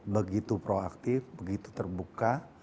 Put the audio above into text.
begitu proaktif begitu terbuka